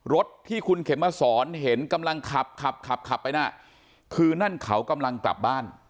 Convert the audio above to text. รถที่คุณเข็มมาสอนเห็นกำลังขับขับขับไปน่ะคือนั่นเขากำลังกลับบ้าน